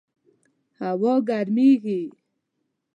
هوا ګرمیږي